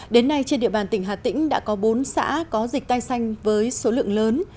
đến nay trên địa bàn tỉnh hà tĩnh đã có bốn xã có dịch tai xanh với số lượng lớn